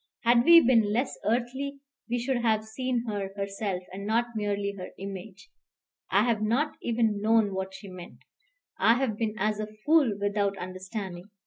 Had we been less earthly, we should have seen her herself, and not merely her image. I have not even known what she meant. I have been as a fool without understanding.